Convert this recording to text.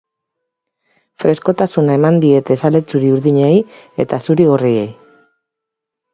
Freskotasuna eman diete zale txuri-urdinei eta zuri-gorriei.